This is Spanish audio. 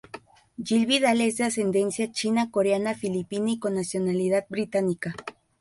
Jill Vidal es de ascendencia china, coreana, filipina y con nacionalidad británica.